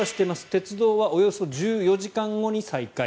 鉄道はおよそ１４時間後に再開。